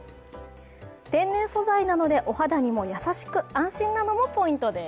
天然素材なので、お肌にも優しく安心なのもポイントです。